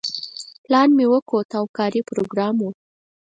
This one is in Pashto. پلان مې وکوت او کاري پروګرام و.